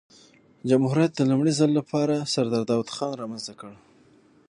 جمهوریت د لومړي ځل له پاره سردار داود خان رامنځ ته کړ.